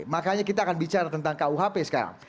makanya kita akan bicara tentang kuhp sekarang